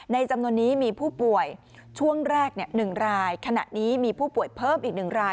จำนวนนี้มีผู้ป่วยช่วงแรก๑รายขณะนี้มีผู้ป่วยเพิ่มอีก๑ราย